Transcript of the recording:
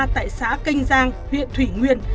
tại xã kinh giang huyện thủy nguyên